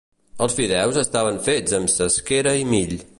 Els fideus estaven fets amb cesquera i mill.